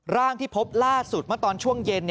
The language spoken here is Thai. ร่างที่พบล่าสุดเมื่อตอนช่วงเย็น